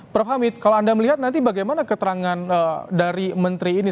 prof hamid kalau anda melihat nanti bagaimana keterangan dari menteri ini